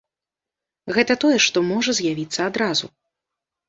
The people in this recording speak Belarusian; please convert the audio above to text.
Гэта тое, што можа з'явіцца адразу.